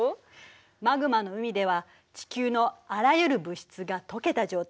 マグマの海では地球のあらゆる物質が溶けた状態。